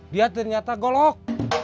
dia ternyata golok